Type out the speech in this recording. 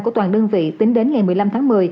của toàn đơn vị tính đến ngày một mươi năm tháng một mươi